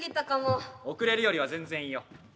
遅れるよりは全然いいよ。